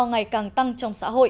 ngày càng tăng